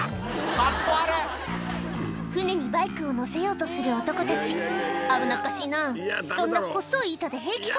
カッコ悪船にバイクを載せようとする男たち危なっかしいなぁそんな細い板で平気か？